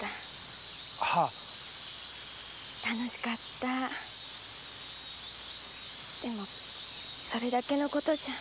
楽しかったでもそれだけのことじゃ。